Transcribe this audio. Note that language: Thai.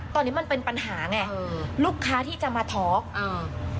ตอนนี้มันเป็นปัญหาไงเออลูกค้าที่จะมาทอล์กอ่า